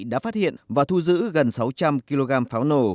đã phát hiện và thu giữ gần sáu trăm linh kg pháo nổ